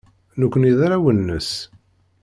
Nekkni d arraw-nnes.